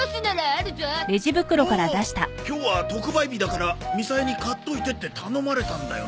ああっ今日は特売日だからみさえに買っといてって頼まれたんだよな。